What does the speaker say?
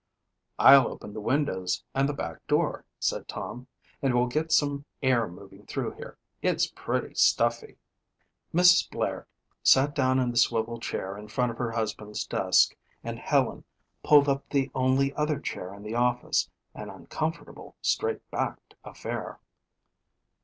"I'll open the windows and the back door," said Tom, "and we'll get some air moving through here. It's pretty stuffy." Mrs. Blair sat down in the swivel chair in front of her husband's desk and Helen pulled up the only other chair in the office, an uncomfortable straight backed affair.